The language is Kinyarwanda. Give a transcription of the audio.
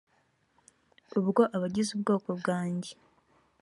ubwo abagize ubwoko bwanjye